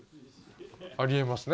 あり得ますね。